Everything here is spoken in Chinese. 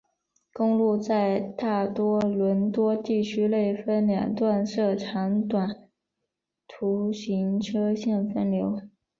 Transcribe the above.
公路在大多伦多地区内分两段设长短途行车线分流。